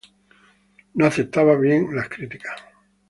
No aceptaba bien las críticas.